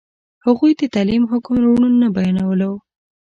هغوی د تعلیم حکم روڼ نه بیانولو.